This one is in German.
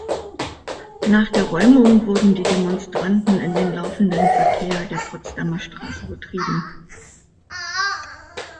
Nach der Räumung wurden die Demonstranten in den laufenden Verkehr der Potsdamer Straße getrieben.